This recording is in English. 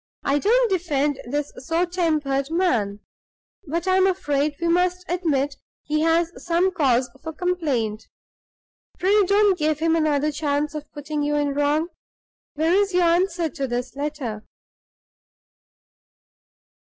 I don't defend this sour tempered man; but I am afraid we must admit he has some cause for complaint. Pray don't give him another chance of putting you in the wrong. Where is your answer to his letter?"